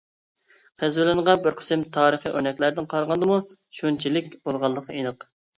قېزىۋېلىنغان بىر قىسىم تارىخىي ئۆرنەكلەردىن قارىغاندىمۇ شۇنچىلىك بولغانلىقى ئېنىق.